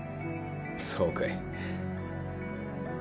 そうかい。